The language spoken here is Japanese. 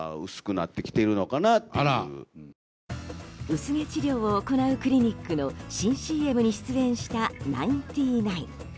薄毛治療を行うクリニックの新ＣＭに出演したナインティナイン。